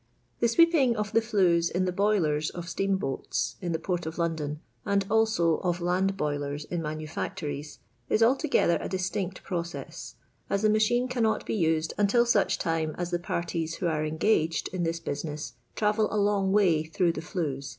Tnr. sweeping of the Hues in the boilers of steam boats, in the Port of London, and also of lind boiler.f in manufactories, is altogether a distinct process, a j the machine cannot be used until such time as the parties who are engaged iu this busi ness tnivtd a long way through the flues